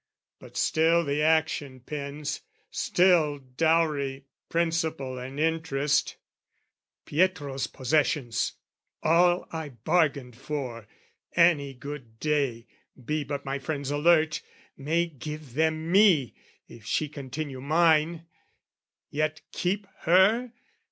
But still the action pends, "Still dowry, principal and interest, "Pietro's possessions, all I bargained for, "Any good day, be but my friends alert, "May give them me if she continue mine. "Yet, keep her?